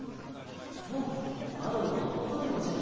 そうマロの弟でおじゃる。